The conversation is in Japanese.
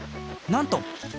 なんと！